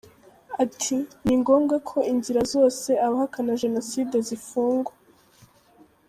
Ati “Ni ngombwa ko inzira zose abahakana Jenoside zifungwa.